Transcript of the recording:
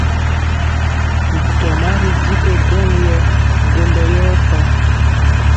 Ntɔma ri ji to gwɔŋ yɛ gwondɔ yɔ kwaŋ.